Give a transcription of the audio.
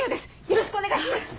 よろしくお願いします！